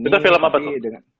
itu film apa tuh